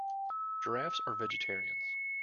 Giraffes are vegetarians.